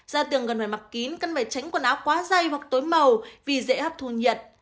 da tường gần mặt mặt kín cần phải tránh quần áo quá dày hoặc tối màu vì dễ hấp thu nhiệt